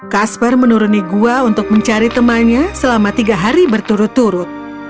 kasper menuruni gua untuk mencari temannya selama tiga hari berturut turut